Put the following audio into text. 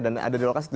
dan ada di lokasi itu